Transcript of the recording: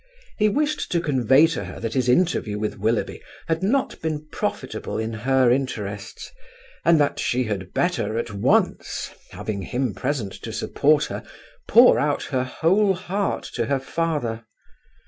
He wished to convey to her that his interview with Willoughby had not been profitable in her interests, and that she had better at once, having him present to support her, pour out her whole heart to her father.